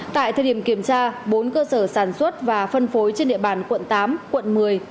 tại thời điểm kiểm tra bốn cơ sở sản xuất và phân phối trên địa bàn quận tám quận một mươi quận một mươi một